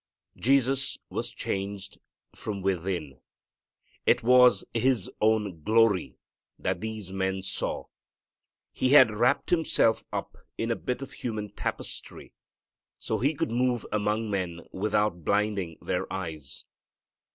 Jesus was changed from within. It was His own glory that these men saw. He had wrapped Himself up in a bit of human tapestry so He could move among men without blinding their eyes.